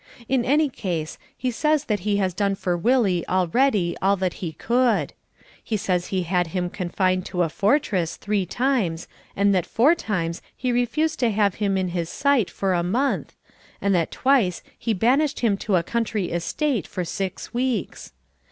In any case, he says that he has done for Willie already all that he could. He says he had him confined to a fortress three times and that four times he refused to have him in his sight for a month, and that twice he banished him to a country estate for six weeks.